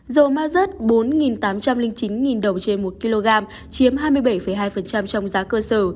dầu mazut bốn tám trăm linh chín đồng trên một kg chiếm hai mươi bảy hai trong giá cơ sở